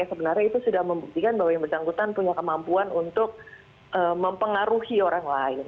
sebenarnya itu sudah membuktikan bahwa yang bersangkutan punya kemampuan untuk mempengaruhi orang lain